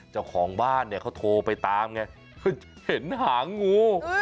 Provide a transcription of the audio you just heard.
เจ้าของบ้านเนี่ยเขาโทรไปตามไงเห็นหางู